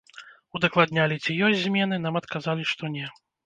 Удакладнялі, ці ёсць змены, нам адказалі, што не.